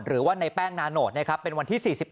หรือว่าในแป้งนาโนตเป็นวันที่๔๑